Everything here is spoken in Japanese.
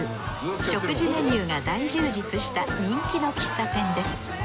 食事メニューが大充実した人気の喫茶店です。